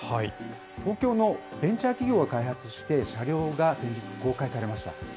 東京のベンチャー企業が開発して、車両が先日公開されました。